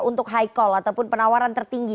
untuk high call ataupun penawaran tertinggi